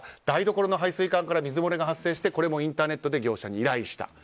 台所の排水管から水漏れが発生してこれもインターネットで業者に依頼した。